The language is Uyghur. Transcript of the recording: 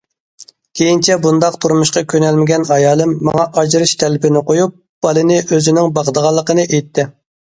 كېيىنچە بۇنداق تۇرمۇشقا كۆنەلمىگەن ئايالىم ماڭا ئاجرىشىش تەلىپىنى قويۇپ، بالىنى ئۆزىنىڭ باقىدىغانلىقىنى ئېيتتى.